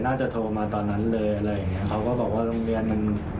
น่าจะโทรมาตอนนั้นเลยอะไรอย่างเงี้เขาก็บอกว่าโรงเรียนมัน